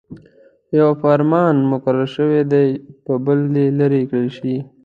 په يوه فرمان مقرر شوي دې په بل دې لیرې کړل شي.